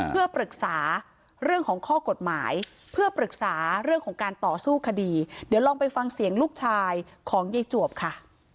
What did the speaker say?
เพื่อปรึกษาเรื่องของข้อกฎหมายเพื่อปรึกษาเรื่องของการต่อสู้คดีเดี๋ยวลองไปฟังเสียงลูกชายของยายจวบค่ะ